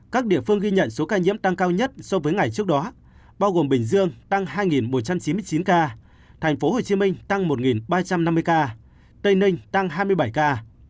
các địa phương ghi nhận số ca nhiễm tăng cao nhất so với ngày trước đó bao gồm bình dương tăng hai một trăm chín mươi chín ca thành phố hồ chí minh tăng một ba trăm năm mươi ca tây ninh tăng hai mươi bảy ca